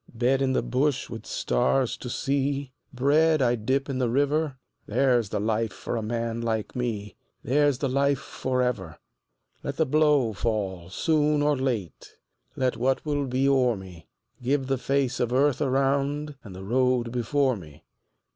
Bed in the bush with stars to see, Bread I dip in the river There's the life for a man like me, There's the life for ever. Let the blow fall soon or late, Let what will be o'er me; Give the face of earth around And the road before me.